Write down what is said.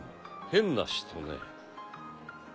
変な人ね。